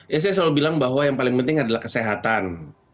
ya saya selalu bilang bahwa yang paling penting adalah kesehatan